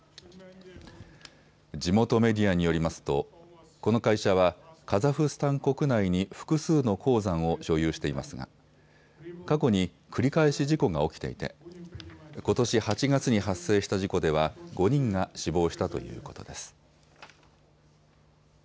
地元メディアによりますとこの会社はカザフスタン国内に複数の鉱山を所有していますが過去に繰り返し事故が起きていてことし８月に発生した事故では５人が死亡したということです。